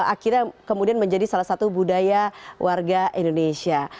akhirnya kemudian menjadi salah satu budaya warga indonesia